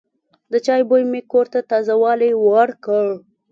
د چای بوی مې کور ته تازه والی ورکړ.